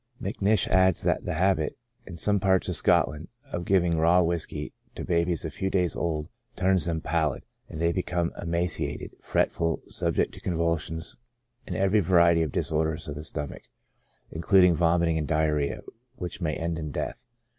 Macnish adds that the habit, in some parts of Scotland, of giving raw whiskey to babies a few days old, turns them pallid, and they become emaciated, fretful, subject to con vulsions and every variety of disorders of the stomach, including vomiting and diarrhoea, which may end in death.